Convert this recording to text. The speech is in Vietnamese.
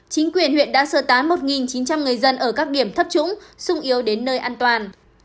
chính quyền huyện đã sơ tán một chín trăm linh người dân ở các điểm thấp trúng yếu đến nơi an toàn